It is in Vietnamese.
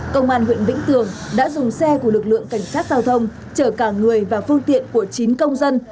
công an huyện vĩnh tường đã dùng xe của lực lượng cảnh sát giao thông chở cả người và phương tiện của chín công dân